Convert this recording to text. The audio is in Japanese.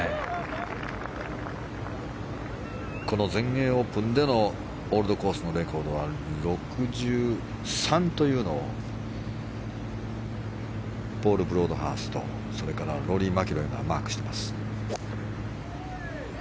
この全英オープンでのオールドコースのレコードは６３というのをポール・ブロードハーストそれから、ローリー・マキロイがマークしてます。